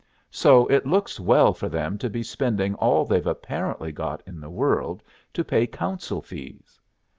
So it looks well for them to be spending all they've apparently got in the world to pay counsel fees.